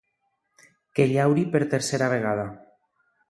Que llauri per tercera vegada.